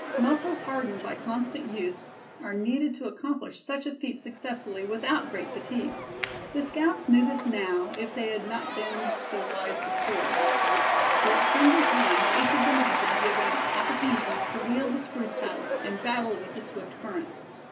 Muscles hardened by constant use are needed to accomplish such a feat successfully without great fatigue. The scouts knew this now, if they had not been so wise before; for at sundry times each of them had been given opportunities to wield the spruce paddle, and battle with the swift current.